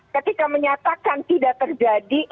ketika menyatakan tidak terjadi